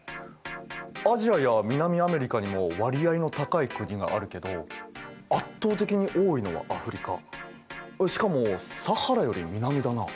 アジアや南アメリカにも割合の高い国があるけど圧倒的に多いのはアフリカしかもサハラより南だな。